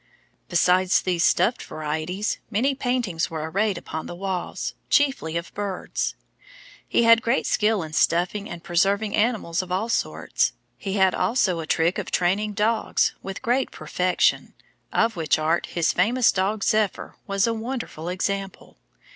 Besides these stuffed varieties, many paintings were arrayed upon the walls, chiefly of birds. He had great skill in stuffing and preserving animals of all sorts. He had also a trick of training dogs with great perfection, of which art his famous dog Zephyr was a wonderful example.